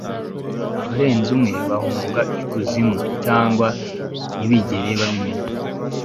Abarenze umwe bahunga ikuzimu cyangwa ntibigera babimenya